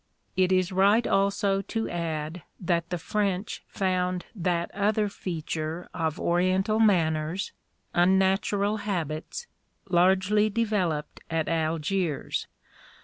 It is right also to add that the French found that other feature of Oriental manners, unnatural habits, largely developed at Algiers.